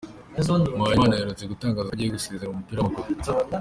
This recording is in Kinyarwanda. Muhayimana aherutse gutangaza ko agiye gusezera umupira w’amaguru.